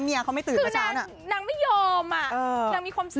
เมียเขาไม่ตื่นเมื่อเช้าน่ะใช่นางไม่ยอมน่ะนางมีความสุข